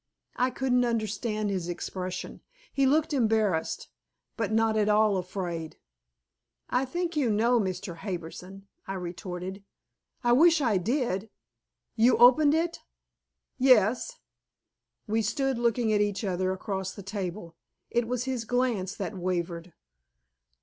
I couldn't understand his expression. He looked embarrassed, but not at all afraid. "I think you know, Mr. Harbison," I retorted. "I wish I did. You opened it?" "Yes." We stood looking at each other across the table. It was his glance that wavered.